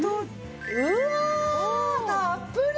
うわたっぷり！